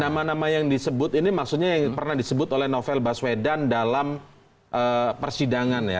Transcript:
nama nama yang disebut ini maksudnya yang pernah disebut oleh novel baswedan dalam persidangan ya